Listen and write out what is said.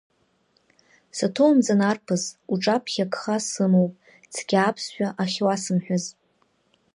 Саҭоумҵан, арԥыс, уҿаԥхьа агха сымоуп, цқьа аԥсшәа ахьуасымҳәаз.